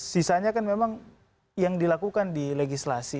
sisanya kan memang yang dilakukan di legislasi